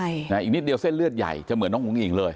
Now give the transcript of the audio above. อีกนิดเดียวเส้นเลือดใหญ่เหมือนน้องอูงอิ่งเลย